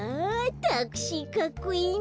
タクシーかっこいいな。